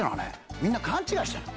みんな勘違いしてんの。